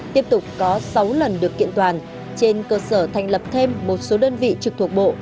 tiếp tục có sáu lần được kiện toàn trên cơ sở thành lập thêm một số đơn vị trực thuộc bộ